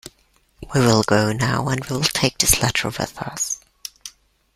We will go now, and we will take this letter with us.